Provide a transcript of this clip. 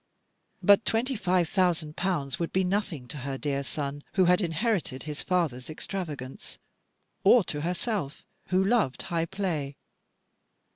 But twenty five thousand pounds would be nothing to her dear son, who had inherited his father's extravagance, or to herself, who loved high play.